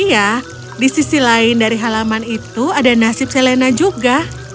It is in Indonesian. iya di sisi lain dari halaman itu ada nasib selena juga